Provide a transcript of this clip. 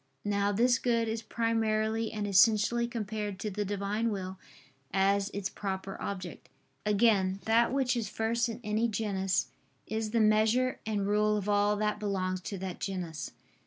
Now this Good is primarily and essentially compared to the Divine will, as its proper object. Again, that which is first in any genus is the measure and rule of all that belongs to that genus.